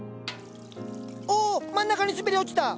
おおっ真ん中に滑り落ちた！